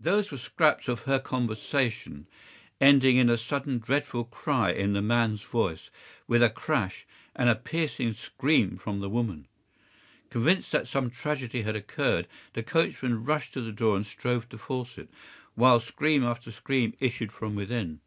Those were scraps of her conversation, ending in a sudden dreadful cry in the man's voice, with a crash, and a piercing scream from the woman. Convinced that some tragedy had occurred, the coachman rushed to the door and strove to force it, while scream after scream issued from within.